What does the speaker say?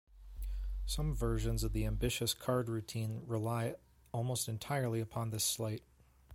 Some versions of the ambitious card routine rely almost entirely upon this sleight.